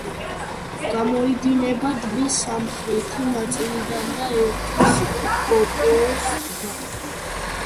გამოედინება ტბის სამხრეთი ნაწილიდან და ერთვის პოოპოს ტბას.